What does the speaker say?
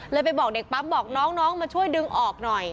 ไปบอกเด็กปั๊มบอกน้องมาช่วยดึงออกหน่อย